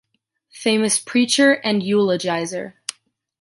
Famous preacher and eulogizer.